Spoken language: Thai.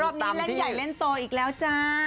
นี้เล่นใหญ่เล่นโตอีกแล้วจ้า